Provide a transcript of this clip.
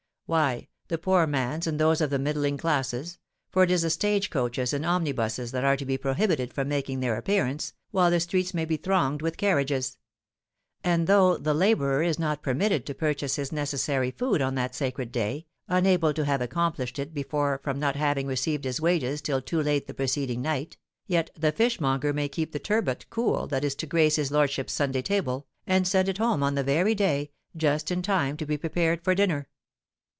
Why, the poor man's and those of the middling classes; for it is the stage coaches and omnibuses that are to be prohibited from making their appearance, while the streets may be thronged with carriages; and though the labourer is not permitted to purchase his necessary food on that sacred day, unable to have accomplished it before from not having received his wages till too late the preceding night, yet the fishmonger may keep the turbot cool that is to grace his lordship's Sunday table, and send it home on the very day, just in time to be prepared for dinner.